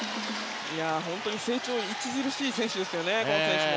本当に成長著しい選手ですね、この選手も。